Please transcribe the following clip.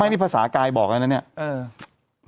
ไม่มีภาษากายบอกอะไรนะเนี้ยเออ